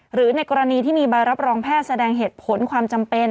หรือในกรณีที่มีใบรับรองแพทย์แสดงเหตุผลความจำเป็น